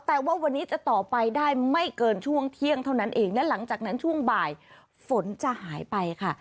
แต่ว่าวันนี้จะต่อไปได้ไม่เกินช่วงเที่ยงเท่านั้นเองและหลังจากนั้นช่วงบ่ายฝนจะหายไปค่ะ